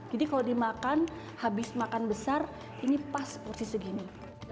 jadi kalau dimakan habis makan besar ini pas posisi segini